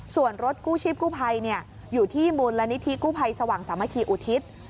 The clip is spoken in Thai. ส่วนรถกู้ชิบกู้ไพรอยู่ที่มุลณิธิกู้ไพรสว่างสามะทีอุทิศ